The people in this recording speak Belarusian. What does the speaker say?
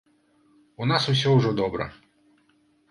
У нас усё ўжо добра.